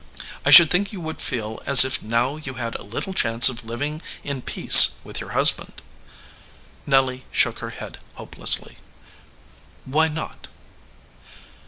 "I should think you would feel as if now you had a little chance of living in peace with your hus band." Nelly shook her head hopelessly. "Why not?"